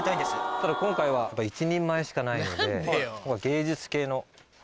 ただ今回は１人前しかないので。